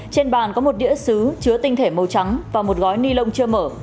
trên bàn có một đĩa xứ chứa tinh thể màu trắng và một gói ni lông chưa mở